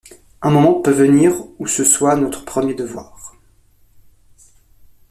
Un moment peut venir où ce soit notre premier devoir.